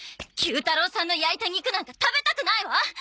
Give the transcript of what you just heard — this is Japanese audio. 球太郎さんの焼いた肉なんか食べたくないわ！